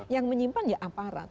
yang menyimpan ya aparat